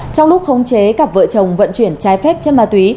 trong lúc khống chế cặp vợ chồng vận chuyển trái phép chất ma túy